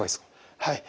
はい。